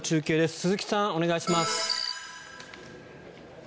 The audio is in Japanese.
鈴木さん、お願いします。